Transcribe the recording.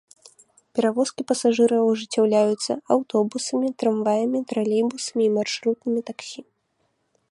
Перавозкі пасажыраў ажыццяўляюцца аўтобусамі, трамваямі, тралейбусамі і маршрутнымі таксі.